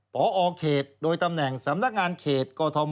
พอเขตโดยตำแหน่งสำนักงานเขตกอทม